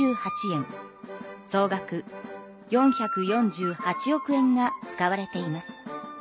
総額４４８億円が使われています。